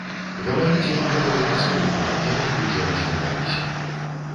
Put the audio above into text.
Гаварыць ім было няспрытна, яны тут жа развіталіся.